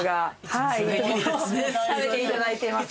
食べていただいてます。